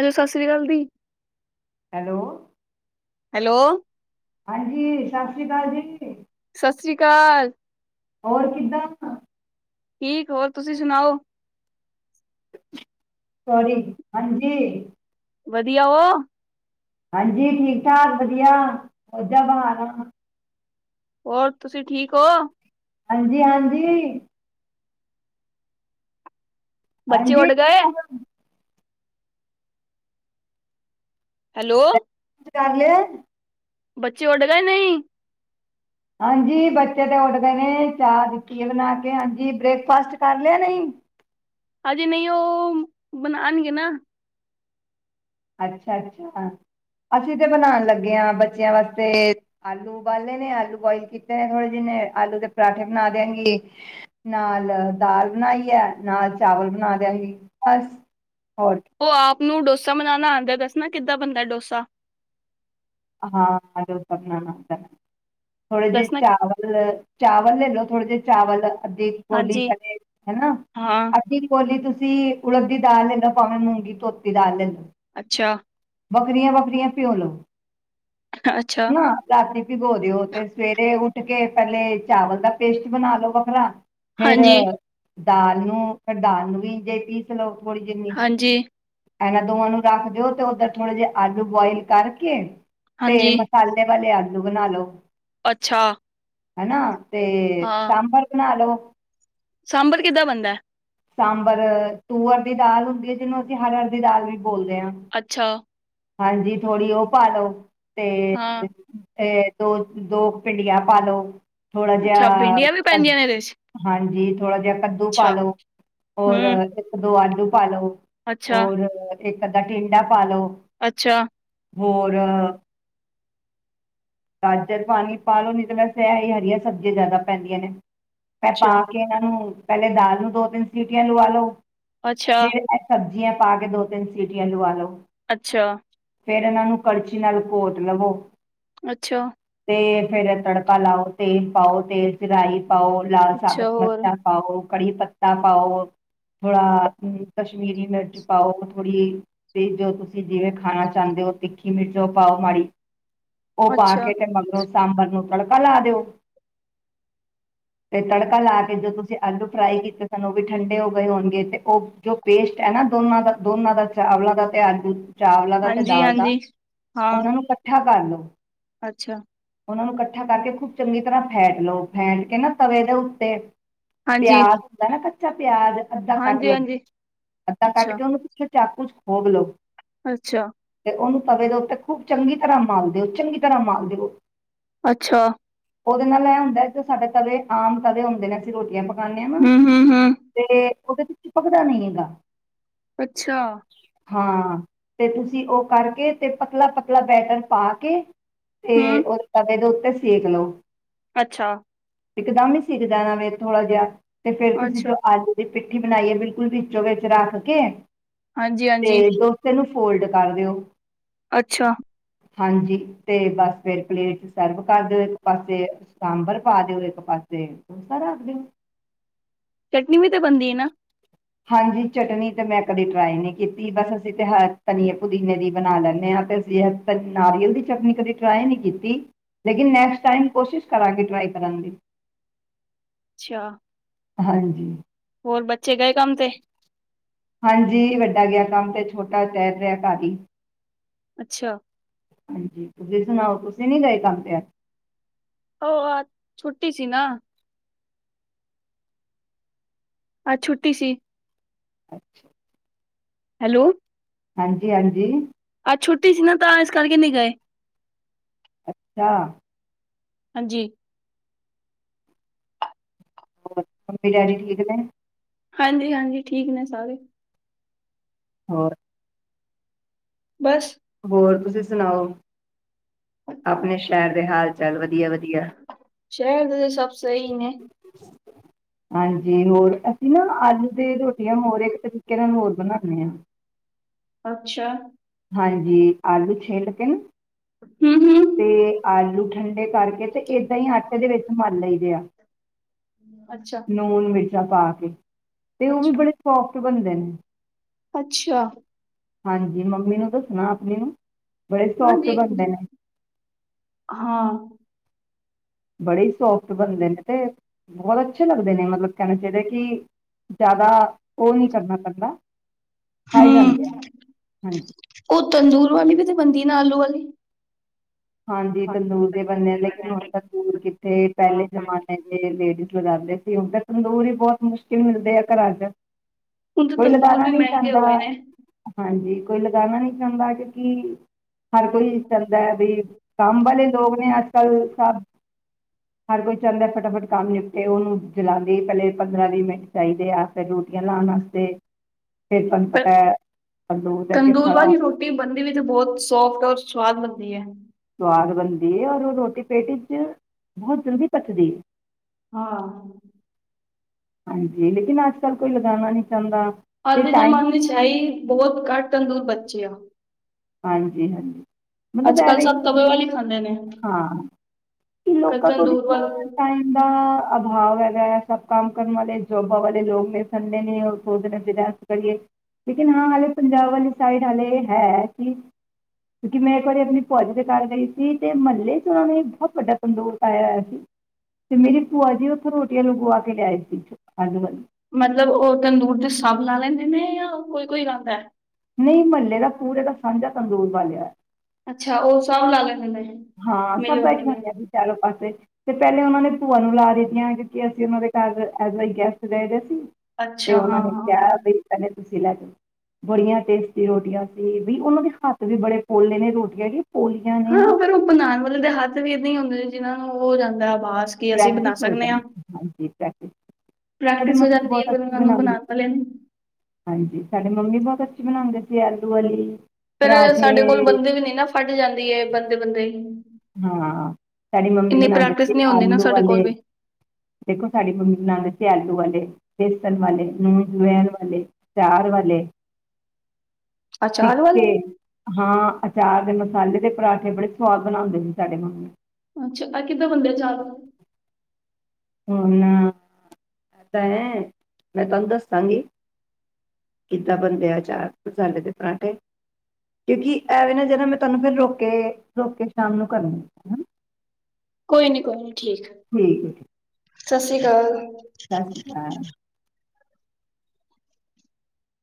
hello ਸਤਿ ਸ੍ਰੀ ਅਕਾਲ ਦੀ ਹੈਲੋ ਹੈਲੋ ਹਾਂਜੀ ਸਤਿ ਸ਼੍ਰੀ ਅਕਾਲ ਜੀ ਸਤਿ ਸ਼੍ਰੀ ਅਕਾਲ ਹੋਰ ਕਿੱਦਾਂ ਠੀਕ ਹੋਰ ਤੁਸੀਂ ਸੁਣਾਓ ਸੋਰੀ ਹਾਂਜੀ ਵਧੀਆ ਉਹ ਹਾਂਜੀ ਠੀਕ ਠਾਕ ਵਧੀਆ ਜਾ ਬਾਰ ਆ ਹੋਰ ਤੁਸੀਂ ਠੀਕ ਹੋ ਹਾਂਜੀ ਹਾਂਜੀ ਬੱਚੇ ਹਾਂਜੀ ਉਡ ਠੀਕ ਗਏ ਠਾਕ ਹੈਲੋ ਬ੍ਰੇਕਫਾਸਟ ਕਰ ਲ ਬੱਚੇ ਡ ਗਏ ਨਹੀਂ ਹਾਂਜੀ ਬੱਚੇ ਤੇ ਉੱਡ ਗਏ ਨੇ ਚਾਹ ਦਿਖੀਏ ਬਣਾ ਕੇ ਹਾਂਜੀ ਬ੍ਰੇਕਫਾਸਟ ਕਰ ਲਿਆ ਨਹੀਂ ਹਜੇ ਨਹੀਂ ਉਹ ਬਣਾਉਣਗੇ ਨਾ ਅੱਛਾ ਅੱਛਾ ਅਸੀਂ ਤੇ ਬਣਾਉਣ ਲੱਗੇ ਹਾਂ ਬੱਚਿਆਂ ਵਾਸਤੇ ਆਲੂ ਉਬਾਲੇ ਨੇ ਆਲੂ ਬੁਇਲ ਕੀਤੇ ਨੇ ਥੋੜੇ ਜਿ ਨੇ ਆਲੂ ਦੇ ਪਰਾਂਠੇ ਬਣਾ ਦਿਆਂਗੀ ਨਾਲ ਦਾਲ ਬਣਾਈ ਹੈ ਨਾਲ ਚਾਵਲ ਬਣਾ ਦਿਆਂਗੀ ਬਸ ਹੋਰ ਉਹ ਆਪ ਨੂੰ ਡੋਸ ਡੋਸਾ ਮਨਉਣਾ ਆਉਂਦਾ ਦੱਸਣਾ ਕਿੱਦਾਂ ਬੰਦਾ ਡੋਸਾ ਹਾਂਨਾ ਥੋੜੇ ਜਿਹੇ ਦੱਸਣਾ ਚਾਵਲ ਚਾਵਲ ਲੈ ਲਓ ਥੋੜੇ ਜੇ ਚਾਵਲ ਅੱਧੀ ਕੋਲੀ ਹਾਂਜੀ ਪਹਿਲੇ ਹਨਾ ਹਾਂ ਅੱਧੀ ਕੋਲੀ ਤੁਸੀਂ ਸੀ ਉਲਦੀ ਦਾਲ ਲੈਂਦਾ ਭਾਵੇਂ ਮੂੰਗੀ ਧੋਤੀ ਦਾਲ ਲੈਂਦਾ ਅੱਛਾ ਬੱਕਰੀਆਂ ਵੱਕਰੀਆਂ ਪਿਓ ਲਵ ਅੱਛਾ ਨਾ ਰਾਤੀ ਭਗੋ ਦਿਓ ਤੇ ਸਵੇਰੇ ਉੱਠ ਕੇ ਪਹਿਲੇ ਚਾਵਲ ਦਾ ਪੇਸਟ ਬਣਾ ਲੋ ਵੱਖਰਾ ਫੇਰ ਹਾਂਜੀ ਦਾਲ ਨੂੰ ਫਿਰ ਦਾਲ ਨੂੰ ਵੀ ਜੇ ਪੀਸ ਲੋਓ ਬੋੜੀ ਜਿੰਨੀ ਹਾਂਜੀ ਇਹਨਾਂ ਦੋਵਾਂ ਨੂੰ ਰੱਖ ਦਿਓ ਤੇ ਉੱਧਰ ਥੋੜੇ ਜਿਹੇ ਆਲੂ ਬੋਇਲ ਕਰਕੇ ਤੇ ਹਾਂਜੀ ਮਸਾਲੇ ਵਾਲੇ ਆਦ ਆਲੂ ਬਣਾ ਲ ਲੋ ਅੱਛਾ ਹਨਾ ਤੇ ਹਾਂ ਸਾਂਬਰ ਬਣਾ ਲੋ ਹ ਸਾਂਬਰ ਕਿੱਦਾਂ ਬਣਦਾ ਸਾਂਬਰ ਤੂਅਰ ਦੀ ਦਾਲ ਹੁੰਦੀ ਹੈ ਜਿਹਨੂੰ ਅਸੀਂ ਹਰ ਹਰ ਦੀ ਦਾਲ ਵੀ ਬੋਲਦੇ ਹਾਂ ਅੱਛਾ ਹਾਂਜੀ ਥੋੜੀ ਉਹ ਪਾ ਲਉ ਤੇ ਹਾਂ ਇਹ ਦੋ ਦੋ ਭਿੰਡੀਆਂ ਪਾ ਲਉ ਥੋੜ੍ਹਾ ਅੱਛਾ ਭਿੰਡੀਆਂ ਵੀ ਜਿਹਾ ਪੈਂਦੀਆਂ ਨੇ ਇਹਦੇ ਚ ਹਾਂਜੀ ਥੋੜਾ ਜਿਹਾ ਕੱਦੂ ਪਾ ਅੱਛਾ ਲੋ ਹੋਰ ਹਮ ਦੋ ਆਲੂ ਪਾ ਲਓ ਅੱਛਾ ਹੋਰ ਇੱਕ ਅੱਧਾ ਟਿੰਡਾ ਫੋਲੋ ਅੱਛਾ, ਹੋਰ ਗਾਜਰ ਪਾਣੀ ਪਾ ਲਓ ਨਹੀਂ ਤਾਂ ਵੈਸੇ ਇਹ ਹੀ ਹਰੀਆਂ ਸਬਜ਼ੀਆਂ ਜ਼ਿਆਦਾ ਪੈਂਦੀਆਂ ਨੇ ਪ ਪਾ ਅੱਛਾ, ਕੇ ਇਹਨਾਂ ਨੂੰ ਪਹਿਲੇ ਦਾਲ ਨੂੰ ਦੋ ਤਿੰਨ ਠਕੀਆਂ ਲਵਾ ਲੋ ਅੱਛਾ, ਹਦਾ ਸ ਜਿ ਪਾ ਕੇ ਦੋ ਤਿੰਨ ਸਿਟੀਆਂ ਲੂ ਵਾਲ ਲੋ ਅੱਛਾ ਫੇਰ ਇਹਨਾਂ ਨੂੰ ਕੜਚੀ ਨਾਲ ਘੋਟ ਲਵੋ ਅੱਛਾ ਤੇ ਫੇਰ ਤੜਕਾ ਲਾਓ ਤੇਲ ਪਾਓ ਤੇਲ ਚ ਰਹੀਂ ਪਾਓ ਲਾਲ ਅੱਛਾ ਸਾਬਤ ਹੋਰ ਮਰਚਲਾ ਪਾਓ ਕੜੀ ਪੱਤਾ ਪਾਓ ਥੋੜਾ ਕਸ਼ਮੀਰੀ ਮਿਰਚ ਪਾਓ ਥੋੜ੍ਹੀ ਤੇ ਜੋ ਤੁਸੀਂ ਜਿਵੇਂ ਖਾਣਾ ਚਾਹੁੰਦੇ ਹੋ ਤਿੱਖੀ ਮਿਰਚ ਪਾਓ ਮਾੜੀ ਉਹ ਪਾ ਅੱਛਾ, ਕੇ ਤੇ ਮਗਰੋਂ ਸਾਂਬਰ ਨੂੰ ਤੜਕਾ ਲਾ ਦਿਓ ਤੇ ਤੜਕਾ ਲਾ ਕੇ ਜੋ ਤੁਸੀਂ ਅਗੂ ਫਰਾਈ ਕੀਤੇ ਉਹ ਵੀ ਠੰਡੇ ਹੋ ਗਏ ਹੋਣਗੇ ਤੇ ਉਹ ਜੋ ਪੇਸਟ ਹੈ ਨਾ ਦੋਨਾਂ ਦਾ ਦੋਨਾਂ ਦਾ ਚਾਵਲਾਂ ਦਾ ਤੇ ਅੱਜ ਚਾਵਲਾਂ ਦਾ ਤੇ ਹਾਂਜੀ, ਦਾਲ ਦਾ ਹਾਂਜੀ ਹਾਂ, ਉਹਨਾਂ ਨੂੰ ਇਕੱਠਾ ਕਰ ਲੋ ਅੱਛਾ ਉਹਨਾਂ ਨੂੰ ਇਕੱਠਾ ਕਰਕੇ ਖੂਬ ਚੰਗੀ ਤਰ੍ਹਾਂ ਫੈਟ ਲਓ ਫੈਟ ਕੇ ਨਾ ਤਵੇ ਦੇ ਉੱਤੇ ਹਾਂਜੀ ਾ ਕੱਚਾ ਪਿਆਜ ਅੱਧਾ ਕੱਟ ਹਾਂਜੀ, ਲਓ ਹਾਂਜੀ ਅੱਧਾ ਕੱਟ ਅੱਛਾ, ਕੇ ਉਹਨੂੰ ਪੁੱਛੇ ਚ ਕੁਛ ਖੋ ਬਲੋ ਅੱਛਾ ਉਹਨੂੰ ਪਵੇ ਦਿ ਉਤੇ ਖੂਬ ਚੰਗੀ ਤਰ੍ਹਾਂ ਮਾਲ ਦਿਓ ਚੰਗੀ ਤਰ੍ਹਾਂ ਮਾਲ ਦਿਓ ਅੱਛਾ ਉਹਦੇ ਨਾਲ ਇਹ ਹੁੰਦਾ ਤੇ ਸਾਡੇ ਤਵੇ ਆਮ ਤਵੇ ਹੁੰਦੇ ਨੇ ਅਸੀਂ ਰੋਟੀ ਪਕਾਉਂੇ ਆ ਵਾਂ ਹੂੰ, ਹੂੰ, ਹੂੰ ਤੇ ਉਹਦੇ ਚਪਕਦਾ ਨ ਹੈਗਾ ਅੱਛਾ, ਹਾਂ ਤੇ ਤੁਸੀਂ ਉਹ ਕਰਕੇ ਤੇ ਪਤਲਾ ਪਤਲਾ ਬੈਟਰ ਪਾ ਕੇ ਤੇ ਹੂੰ ਉਹ ਕਵੇ ਦ ਦਸੀਏ ਖਲੋ ਅੱਛਾ ਇਕਦਮ ਹੀ ਸਿੱਖਦਾਣਾ ਫੇਿਰ ਥੋੜਾ ਜਿਹਾ ਤੇ ਫੇਰ ਤੁਸੀਂ ਅੱਛਾ, ਜੋ ਅੱਜ ਦੇ ਪਿੱਠੀ ਬਣਾਈਏ ਬਿਲਕੁਲ ਪੀਚੋ ਵਿੱਚ ਰੱਖ ਕੇ ਹਾਂਜੀ, ਤੇ ਹਾਂਜੀ ਦੋਸਤ ਨੂੰ ਫੋਲਡ ਕਰ ਦਿਓ ਅੱਛਾ ਹਾਂਜੀ ਤੇ ਬਸ ਫਿਰ ਪਲੇਟ ਚ ਸਰਵ ਕਰ ਦਿਓ ਇੱਕ ਪਾਸੇ ਸਾਂਬਰ ਪਾ ਦਿਓ ਇੱਕ ਪਾਸੇ ਡਸਾ ਰੱਖ ਦਿਓ ਚਟਨੀ ਵੀ ਤੇ ਬਣਦੀ ਹੈ ਨਾ ਹਾਂਜੀ ਚਟਨੀ ਤਾਂ ਮੈਂ ਕਦੇ ਟਰਾਈ ਨਹੀਂ ਕੀਤੀ ਬਸ ਅਸੀਂ ਤੇ ਧਨੀਏ ਪੁਦੀਨੇ ਦੀ ਬਣਾ ਲੈਂਦੇ ਹਾਂ ਤੇ ਅਸੀਂ ਤ ਨਾਰੀਅਲ ਦੀ ਚਟਨੀ ਕਦੀ ਟਰਾਈ ਨਹੀਂ ਕੀਤੀ ਲੇਕਿਨ ਨੈਕਸਟ ਟਾਈਮ ਕੋਸ਼ਿਸ਼ ਕਰਾਂਗੇ ਟਰਾਈ ਕਰਨ ਦੀ ਅੱਛਾ ਹਾਂਜੀ ਹੋਰ ਬੱਚੇ ਗਏ ਕੰਮ ਤੇ ਹਾਂਜੀ ਵੱਡਾ ਗਿਆ ਕੰਮ ਤੇ ਛੋਟਾ ਚਹਿ ਰਿਹਾ ਘੀ ਅੱਛਾ ਹਾਂਜੀ ਤੁਸੀਂ ਸੁਣਾਓ ਕੁਸੀੇ ਨੀ ਗਏ ਕੰਮ ਤੇਿਆ ਹੋ ਆ ਛੁੱਟੀ ਸੀ ਨਾ ਅੱਜ ਛੁੱਟੀ ਸੀ ਅੱਛਾ ਹੈਲੋ ਹਾਂਜੀ ਹਾਂਜੀ ਅੱ ਛੁੱਟੀ ਸੀ ਨਾ ਤਾਂ ਇਸ ਕਰਕੇ ਨਹੀਂੀ ਗਏ ਅੱਛਾ ਹਾਂਜੀ ਹੋਰ ਮੰਮੀ ਡੈਡੀ ਠੀਕ ਨੇ ਹਾਂਜੀ ਹਾਂਜੀ ਠੀਕ ਨੇ ਸਾਰੇ ਹੋਔਰ ਹੋਰ ਤੁਸੀਂ ਸੁਣਾਓ ਆਪਣੇ ਸ਼ਹਿਰ ਦੇ ਹਾਲ ਚਾਲ ਵਧੀਆ ਵਧੀਆ ਸ਼ਹਿਰ ਸਭ ਸਹੀ ਨੇ ਹਾਂਜੀ ਹੋਰ ਅਸੀਂ ਨਾ ਆਲੂ ਦੀ ਰੋਟੀਆਂ ਹੋਰ ਇੱਕ ਤਰੀਕੇ ਨਾਲ ਹੋਰ ਬਣਾਉਦੇ ਹਾਂ ਅੱਛਾ ਹਾਂਜੀ ਆਲੂ ਛੇ ਲੱਗੇਨ ਤੇ ਆਲੂ ਹਠਡ ਕਰਕੇ ਤੇ ਏਦਾਂ ਹੀ ਆਟੇ ਦੇ ਵਿੱਚ ਮਨ ਲਈਦੇ ਆ ਨੂਣ ਵਿੱਚ ਪਾ ਕੇ ਤੇ ਉਹ ਵੀ ਬੜੇ ਸੋਫ ਬਣਦੇ ਨੇ ਅੱਛਾ ਹਾਂਜੀ ਮੰਮੀ ਆਪਮੀ ਨੂੰ ਤਾਂ ਸੁਣਾ ਆਪਣੀ ਨੂੰ ਬੜੇ ਸੌਫਟ ਹਾਂਜੀ ਬਣਦੇ ਨੇ, ਹਾਂ ਬੜੇ ਸੋਫਤ ਬਣਦੇ ਨੇ ਤੇ ਬਹੁਤ ਅੱਛੇ ਲੱਗਦੇ ਨੇ ਮਤਲਬ ਕਹਿਣੇ ਚਾਹੀਦਾ ਕਿ ਜ਼ਿਆਦਾ ਉਹ ਨਹੀਂੀ ਕਰਨਾ ਪੈਂਦਾ ਹਾਈ ਜਾਂਣ ਗਿਆ ਆ ਹਮ ਤੰਦੂਰ ਵਾਲੀ ਵੀ ਤੇ ਬਣਦੀ ਨਾ ਆਲੂ ਵਾਲੀ ਹਾਂਜੀ ਤੰਦੂਰ ਦੇ ਬੰਦੇ ਆ ਲੇਕਿਨ ਹੁਣ ਤੰਦੂਰ ਕਿੱਥੇ ਪਹਿਲੇ ਜ਼ਮਾਨੇ ਦੇ ਲੇਡੀਜ਼ ਲਗਾਉਦੇ ਸੀ ਉਹ ਤੰਦੂਰ ਹੀ ਬਹੁਤ ਮੁਸ਼ਕਿਲ ਮਿਲਦੇ ਆ ਘਰਾਂ ਚ ਕੋਈ ਲਗਾਉਣਾ ਨਹੀਂ ਚਾਹਦਾ ਹਾਂਜੀ ਕੋਈ ਲਗਾਣਾ ਨੀ ਚੰਦਾ ਕਿਉਂਕਿ ਹਰ ਕੋਈ ਚਹਦਾ ਹੈ ਵੀ ਕੰਮ ਵਾਲੇ ਲੋਕ ਨੇ ਅੱਜ ਕੱਲ ਸ ਹਰ ਕੋਈ ਚਾਹੁੰਦਾ ਫਟਾਫਟ ਕੰਮ ਨਿਪਟੇ ਉਹਨੂੰ ਜਲਾਂਂਦੇ ਪਹਿਲੇ ਪੰਦਰਾਂ ਵੀਹ ਮਿੰਟ ਚਾਹੀਦੇ ਆ ਰੋਟੀਆਂ ਲਾਉਣ ਵਾਸਤੇ ਫਿਰ ਤੁਹਾਨੂੰ ਪਰ ਪਤਾ ਹੈ ਤੰਦੂਰ ਦੇ ਅੱਗੇ ਤੰਦੂਲ ਖੜ੍ਹਾ ਹੋਣਾ ਵਾਲੀ ਰੋਟੀ ਬੰਦੀ ਵਿੱਚ ਬਹੁਤ ਸੋਫਟ ਔਰ ਸਵਾਦ ਬਣਦੀ ਹੈ ਸਵਾਦ ਬਣਦੀ ਔਰ ਉਹ ਰੋਟੀ ਪੇਟੀ ਚ ਬਹੁਤ ਜਲਦੀ ਪਚਦੀ ਹੈ ਹਾਂ ਹਾਂਜੀ ਲੇਕਿਨ ਅੱਜ ਕੱਲ ਕੋਈ ਲਗਾਉਣਾ ਨਹੀਂੀ ਚਾਹੁੰਦਾ ਅਤੇ ਅੱਜ ਟਾਈਮ ਵੀ ਜਮੇ ਨਹੀਂ ਸ਼ਾਹੀ ਹੈ ਬਹੁਤ ਘੱਟ ਤੰਦੂਰ ਬੱਚੀ ੱ ਹਾਂਜੀ ਹਾਂਜੀ ਮਤਲਬ ਐਵੇਂ ਸਭ ਕਿ ਤਵੇ ਵਾਲੀ ਖਾਂਦੇ ਨੇ ਹਾਂ ਕਿ ਕ ਲੋਕਾਂ ਕੋਲ ਤੰਦੂਰ ਇਸਨਾ ਵੱਲ ਟਾਈਮ ਦਾ ਅਭਾਵ ਵਗੈਰਾ ਸਭ ਕੰਮ ਕਰਨ ਵਾਲੇ ਜੋਬਾਂ ਵਾਲੇ ਲੋਕ ਨੇ ਦੇ ਨੇ ਸੋਚਦੇ ਕਰੀਏ ਲੇਕਿਨ ਹਾਂ ਹਾਲੇ ਪੰਜਾਬ ਵਾਲੀ ਸਾਈਡ ਹਾਲੇ ਹੈ ਕਿਉਂਕਿ ਮੈਂ ਇੱਕ ਵਾਰੀ ਆਪਣੀ ਭੂਆਜੀੀ ਦੇ ਘ ਗਈ ਸੀ ਤੇ ਮਹੱਲੇ ਚ ਉਹਨਾਂ ਨੂੰ ਬਹੁਤ ਵੱਡਾ ਤੰਦੋਸ ਆਇਆ ਹੋਇਆ ਸੀ ਤੇ ਮੇਰੀ ਭੂਆ ਜੀ ਉੱਥੋਂ ਰੋਟੀਆਂ ਲਗਵਾ ਕੇ ਲਿਆਏ ਸੀ ਅੱਗ ਵ ਮਤਲਬ ਉਹ ਤੰਦੂਰ ਦੇ ਸਭ ਲਾ ਲੈਂਦੇ ਨੇ ਜਾਂ ਕੋਈ ਕੋਈ ਲਾਦਾ ਹੈ ਨਹੀਂ ਮਹੱਲੇ ਦਾ ਪੂਰੇ ਦਾ ਸਾਂਝਾ ਤੰਦੂਰ ਵਾਲਿਆ ਅੱਛਾ ਉਹ ਸਮ ਲਾ ਲੈਂ ਨੇ ਹਾਂ ਸਭ ਮਿਲ ਵਾਲੇ ਬੈਠਾ ਨੇ ਆ ਬ ਚਾਰੋ ਪਾਸੇ ਤੇ ਪਹਿਲੇ ਉਹਨਾਂ ਨੇ ਭੂਆਆਂ ਨੂੰ ਲਾ ਦਿੱਤੀਆਂ ਕਿਉਂਕਿ ਅਸੀਂ ਉਹਨਾਂ ਦੇ ਘਰ ਐਜ ਆ ਗੈਸਟ ਰਹੇਦੇ ਸੀ ਤੇ ਅੱਛਾ ਉਹਨਾ ਨੇ ਹਾਂ-ਹਾਂ ਕਿਹਾ ਬਈ ਕਹਿੰਦੇ ਤੁਸੀਂ ਲ ਚ ਬੜੀਆਂ ਟੇਸਟੀ ਰੋਟੀਆਂ ਸੀ ਵੀ ਉਹਨਾਂ ਦੇ ਹੱਥ ਵੀ ਬੜੇ ਪੋਲੇ ਨੇ ਰੋਟੀਆਂ ਕੀ ਪੋਲੀਆਂ ਨੇ ਨਾ ਬਨਾਉਣ ਵਾਲੇ ਦੇ ਹੱਥ ਵੀ ਇਏਦਾਂ ਹੀ ਹੁੰਦੇ ਨੇ ਜਿਹਨਾਂ ਨੂੰ ਉਹ ਹੋ ਜਾਂਦਾ ਸ ਕੇ ਅਸੀਂ ਬਣਾ ਪ੍ਰੈਕਟਿਸ ਹੋ ਸਕਦੇ ਹਾਂ ਜਾਂਦੀ ਹਾਂਜੀ ਪ੍ਰੈਕਟਿਸ ਸਾਡੇ ਪ੍ਰੈਕਟਿਸ ਹੋ ਮੰਮੀ ਜਾਂਦੀ ਹੈ ਬਹੁਤ ਫ ਅੱਛੀ ਉਹਨਾਂ ਨੂੰ ਬਣਾਉਂਦੇ ਬਣਾ ਸੀ ਤਾਂ ਲੈ ਹਾਂਜੀ ਸਾਡੇ ਮੰਮੀ ਬਹੁਤ ਅੱਛੀ ਬਣਾਉਂਦੇ ਸੀ ਆਲੂ ਵਾਲੀ ਫਿਰ ਸਾਡੇ ਕੋਲ ਪਰਾਠੇ ਬੰਦੇ ਵੀ ਨਹੀਂ ਨਾ ਫਟ ਜਾਂਦੇ ਦੀ ਬੰਦੇ ਬੰਦੇ ਹਾਂ ਸਾਡੀ ਮੰਮੀ ਬਣਾਉਂਦੇ ਪ੍ਰੈਕਟਿਸ ਸੀ ਨਹੀਂ ਹੁੰਦੀ ਨਾ ਆਲੂ ਸਾਡੇ ਵਾਲੇ ਕੋਲ ਵੀ ਦੇਖੋ ਸਾਡੀ ਮੰਮੀ ਬਣਾਉਂਦੇ ਸੀ ਤੇ ਆਲੂ ਵਾਲੇ ਬੇਸਣ ਵਾਲੇ ਨੂਨ ਲੈਣ ਵਾਲੇ ਚਾਰ ਵਾਲੇ ਠੀਕ ਅਚਾਰ ਵਾਲੇ ਹੈ ਹਾਂ ਅਚਾਰ ਦੇ ਮਸਾਲੇ ਦੇ ਪਰਰਾਠੇ ਬੜੇ ਸਵਾਦ ਬਣਾਉਂਦੇ ਸੀ ਸਾਡੇ ਮੰਾਮੇ ਅੱਛਾ ਕਿੱਦਾਂ ਬੰਦ ਜਾਵੇ ਹੁ ਨਾ ਤਾਂ ਐ ਮੈਂ ਤੁਹਾਨੂੰ ਦੱਸਾਂਗੀ ਕਿੱਦਾਂ ਬੰਦੇ ਆ ਚਾਰ ਮਸਾਲੇ ਦੇ ਪਰਾਂਠੇ ਕਿਉਂਕਿ ਐਵੇਂ ਨਾ ਜੜ ਮੈਂ ਤੁਹਾਨੂੰ ਫਿਰ ਰੋ ਕੇ ਰੋਕ ਕੇ ਸ਼ਾਮ ਨੂੰ ਕਰਾ ਕੋਈ ਨੀ ਕੋਈ ਨੀ ਠੀਕ ਠੀਕ ਆੀ ਸਤਿ ਸ਼੍ਰੀ ਅਕਾਲ ਸਤਿ ਸ੍ਰੀ ਅਕਾਲ